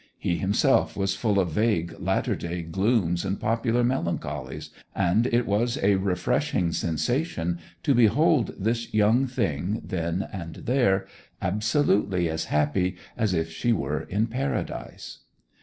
He himself was full of vague latter day glooms and popular melancholies, and it was a refreshing sensation to behold this young thing then and there, absolutely as happy as if she were in a Paradise.